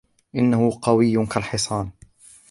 إنه قوي كالحصان.